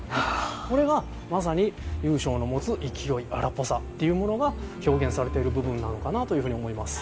これがまさに友松の持つ勢い荒っぽさっていうものが表現されている部分なのかなというふうに思います。